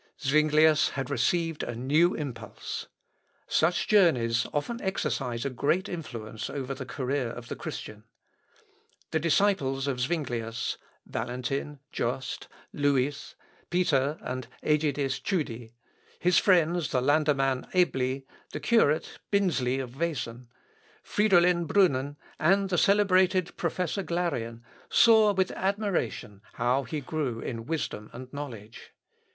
Zuinglius had received a new impulse. Such journeys often exercise a great influence over the career of the Christian. The disciples of Zuinglius Valentin, Jost, Louis, Peter, and Ægidius Tschudi; his friends, the landăman Æbli, the curate, Binzli of Wesen, Fridolin Brunnen, and the celebrated professor Glarean, saw with admiration how he grew in wisdom and knowledge.